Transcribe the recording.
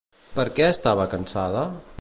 Per què estava cansada?